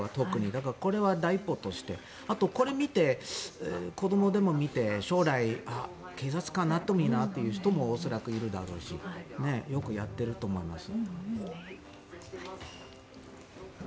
だからこれは第一歩として。あと、これを見て子どもでも見て将来、警察官になってもいいなと思う人も恐らくいるだろうしよくやってると思います。